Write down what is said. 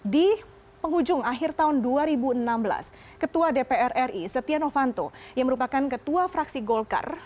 di penghujung akhir tahun dua ribu enam belas ketua dpr ri setia novanto yang merupakan ketua fraksi golkar